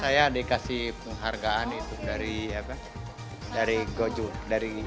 saya dikasih penghargaan itu dari gojo